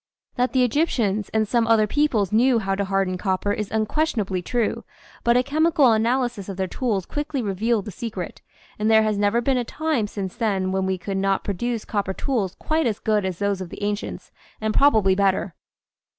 That the Egyptians and some other peoples knew how to harden copper is unquestionably true, but a chemical analysis of their tools quickly revealed the secret, #nd there has never been a time since then when we could not pro duce copper tools quite as good as those of the ancients, and probably better.